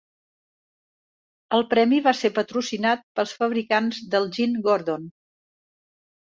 El premi va ser patrocinat pels fabricants del gin Gordon.